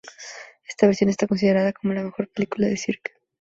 Esta versión está considerada como la mejor película de Sirk.